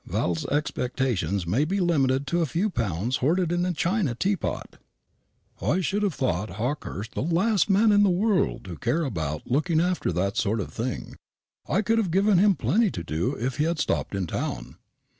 Val's expectations may be limited to a few pounds hoarded in a china teapot." "I should have thought Hawkehurst the last man in the world to care about looking after that sort of thing. I could have given him plenty to do if he had stopped in town.